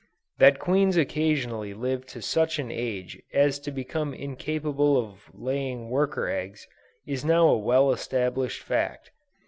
That queens occasionally live to such an age as to become incapable of laying worker eggs, is now a well established fact.